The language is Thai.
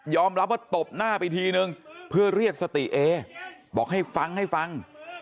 รับว่าตบหน้าไปทีนึงเพื่อเรียกสติเอบอกให้ฟังให้ฟัง